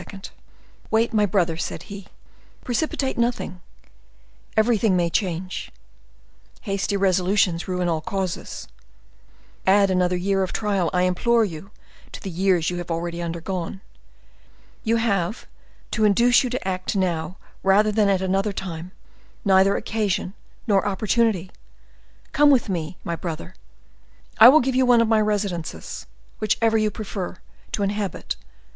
"Wait, my brother," said he; "precipitate nothing; everything may change; hasty resolutions ruin all causes; add another year of trial, I implore you, to the years you have already undergone. You have, to induce you to act now rather than at another time, neither occasion nor opportunity. Come with me, my brother; I will give you one of my residences, whichever you prefer, to inhabit.